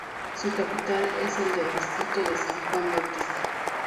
Su capital es el distrito de San Juan Bautista.